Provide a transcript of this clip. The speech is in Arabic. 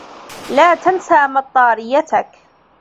لا تنس مطرّيتك.